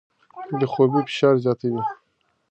بې خوبۍ فشار زیاتوي.